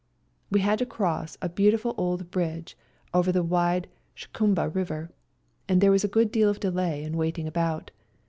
\1^^iad to cross a beautiful old bridge over the wide Schkumba River, and there was a good deal of delay and waiting about.